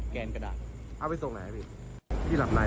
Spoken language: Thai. แกนกระดาษเอาไปส่งไหนครับพี่